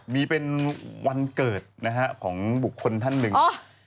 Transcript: มีเป็นวันเกิดนะฮะของบุคคลท่านหนึ่ง